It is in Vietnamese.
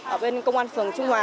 ở bên công an phường trung hòa